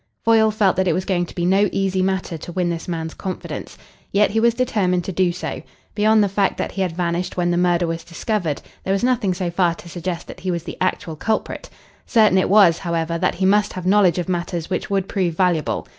Foyle felt that it was going to be no easy matter to win this man's confidence. Yet he was determined to do so. Beyond the fact that he had vanished when the murder was discovered, there was nothing so far to suggest that he was the actual culprit. Certain it was, however, that he must have knowledge of matters which would prove valuable.